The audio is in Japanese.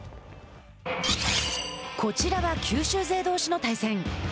こちらは九州勢どうしの対戦。